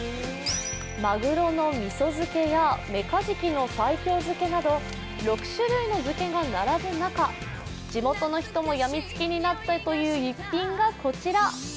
マグロのみそ漬けやメカジキの西京漬けなど６種類の漬けが並ぶ中地元の人も病みつきになったという逸品がこちら。